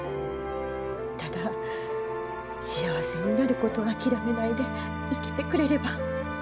ただ幸せになることを諦めないで生きてくれれば。